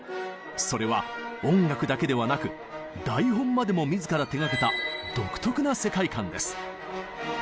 それは音楽だけではなく台本までも自ら手がけた独特な世界観です。